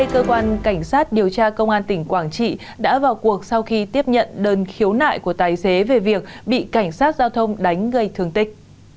cơ quan cảnh sát điều tra công an tỉnh quảng trị đã vào cuộc sau khi tiếp nhận đơn khiếu nại của tài xế về việc bị cảnh sát giao thông đánh gây thương tích